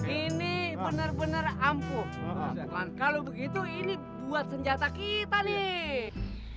ini benar benar ampuh kalau begitu ini buat senjata kita nih